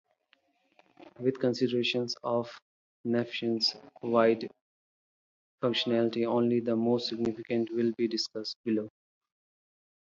With consideration of Nafion's wide functionality, only the most significant will be discussed below.